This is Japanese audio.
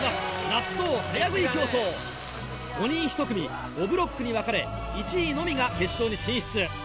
納豆早食い競争５人１組５ブロックに分かれ１位のみが決勝に進出。